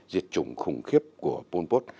diệt chủng khủng khiếp của pol pot